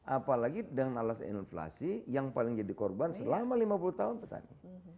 apalagi dengan alasan inflasi yang paling jadi korban selama lima puluh tahun petani